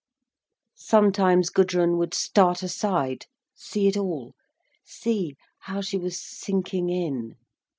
Sometimes Gudrun would start aside, see it all, see how she was sinking in.